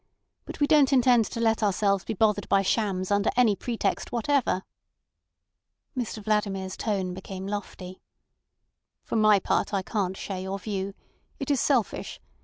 But we don't intend to let ourselves be bothered by shams under any pretext whatever." Mr Vladimir's tone became lofty. "For my part, I can't share your view. It is selfish.